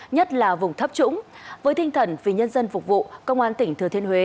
nhất là vùng thấp trũng với tinh thần vì nhân dân phục vụ công an tỉnh thừa thiên huế